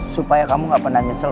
supaya kamu gak pernah nyesel